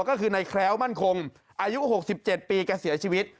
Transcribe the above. ก็คือในแคล้วมั่นคงอายุ๖๗ปีแกเสียชีวิต